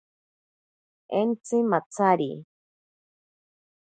Entsi matsari.